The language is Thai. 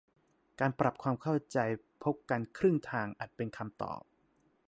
การปรับความเข้าใจพบกันครึ่งทางอาจเป็นคำตอบ